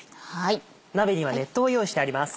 鍋には熱湯を用意してあります。